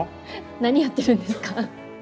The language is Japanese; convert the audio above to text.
何やってるんですか？